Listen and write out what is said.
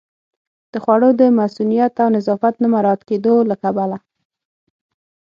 د خوړو د مصئونیت او نظافت نه مراعت کېدو له کبله